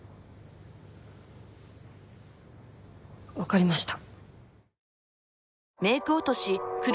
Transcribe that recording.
分かりました。